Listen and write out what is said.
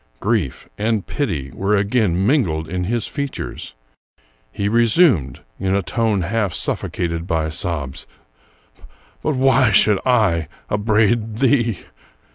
Grief and pity were again mingled in his features. He resumed, in a tone half suffocated by sobs: —" But why should I upbraid thee